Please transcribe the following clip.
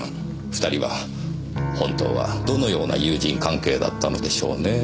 二人は本当はどのような友人関係だったのでしょうねえ。